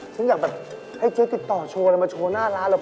ฉันอยากแบบให้เจ๊ติดต่อโชว์อะไรมาโชว์หน้าร้านเหรอ